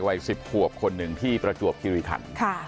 วัย๑๐ขวบคนหนึ่งที่ประจวบกิริขัน